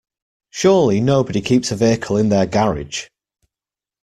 Surely nobody keeps a vehicle in their garage?